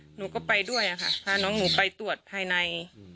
หนูก็ไปด้วยค่ะพาน้องหนูไปตรวจภายใน